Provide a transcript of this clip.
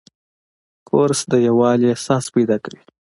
کورس د یووالي احساس پیدا کوي.